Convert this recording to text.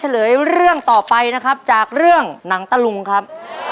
เลเรื่องต่อไปนะครับจากเรื่องหนังตะลุงครับ